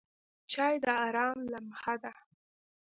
چای د آرام لمحه ده.